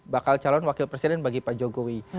bakal calon wakil presiden bagi pak jokowi